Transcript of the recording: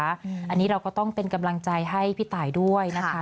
อันนี้เราก็ต้องเป็นกำลังใจให้พี่ตายด้วยนะคะ